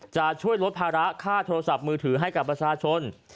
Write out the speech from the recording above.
จะช่วยลดภาระค่าโทรศัพท์มือถือให้กับประชาชน